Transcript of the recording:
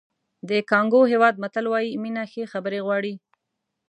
د کانګو هېواد متل وایي مینه ښې خبرې غواړي.